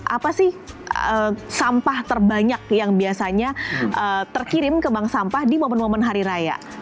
apa sih sampah terbanyak yang biasanya terkirim ke bank sampah di momen momen hari raya